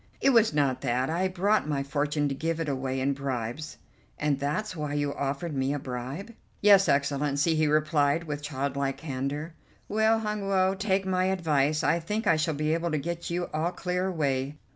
"It was not that. I brought my fortune to give it away in bribes." "And that's why you offered me a bribe?" "Yes, Excellency," he replied with childlike candour. "Well, Hun Woe, take my advice. I think I shall be able to get you all clear away.